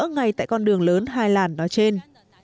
ngay tại con đường lớn hai làn đó trên